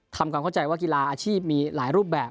ทำความเข้าใจว่ากีฬาอาชีพมีหลายรูปแบบ